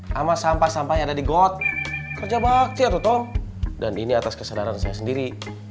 sama sampah sampah yang ada di got kerja bakti atau tol dan ini atas kesadaran saya sendiri